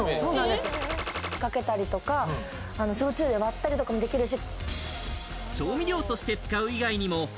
○○にかけたりとか、焼酎で割ったりとかもできるし。